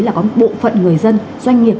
là có một bộ phận người dân doanh nghiệp